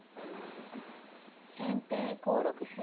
先手５六歩。